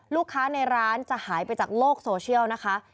ลูกค้าในร้านจะหายไปจากโลกโซเชียลนะคะ